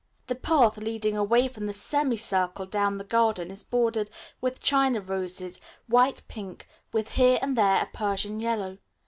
The path leading away from this semicircle down the garden is bordered with China roses, white and pink, with here and there a Persian Yellow.